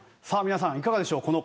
さあ皆さんいかがでしょう？